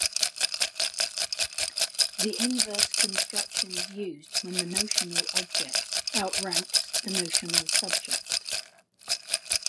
The inverse construction is used when the "notional object" outranks the "notional subject".